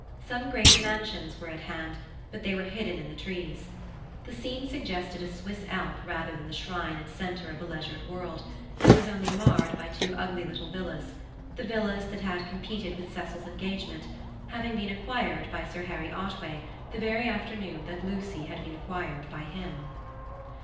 Some great mansions were at hand, but they were hidden in the trees. The scene suggested a Swiss Alp rather than the shrine and centre of a leisured world, and was marred only by two ugly little villas—the villas that had competed with Cecil's engagement, having been acquired by Sir Harry Otway the very afternoon that Lucy had been acquired by Cecil.